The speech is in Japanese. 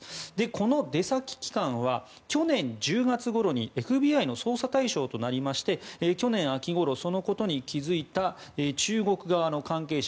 この出先機関は去年１０月ごろにＦＢＩの捜査対象となりまして去年秋ごろそのことに気づいた中国側の関係者